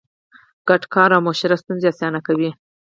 ګډ کار او مشوره ستونزې اسانه کوي.